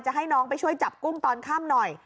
ให้น้องไปช่วยจับกุ้งตอนค่ำหน่อย